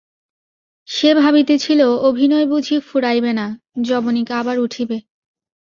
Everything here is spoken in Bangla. সে ভাবিতেছিল অভিনয় বুঝি ফুরাইবে না, যবনিকা আবার উঠিবে।